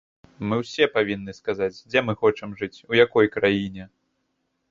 Мы ўсе павінны сказаць, дзе мы хочам жыць, у якой краіне.